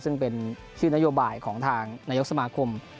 ซึ่งเป็นชื่อนโยบายของทางนายกสมาคม